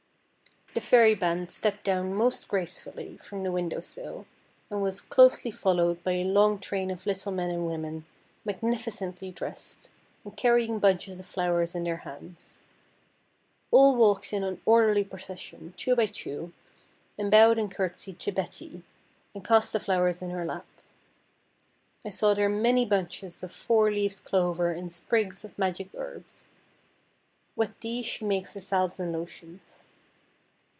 The Fairy band stepped down most gracefully from the window sill, and was closely followed by a long train of little men and women magnificently dressed, and carrying bunches of flowers in their hands. All walked in an orderly procession, two by two, and bowed or curtsied, to Betty, and cast the flowers in her lap. I saw their many bunches of Four leaved Clover and sprigs of magic herbs. With these she makes her salves and lotions.